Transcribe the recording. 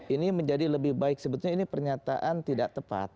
ini menjadi lebih baik sebetulnya ini pernyataan tidak tepat